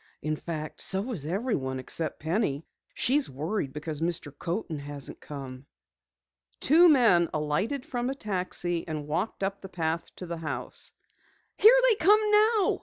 "In fact, so is everyone except Penny. She's worried because Mr. Coaten hasn't come." Two men alighted from a taxi and walked up the path to the house. "Here they come now!"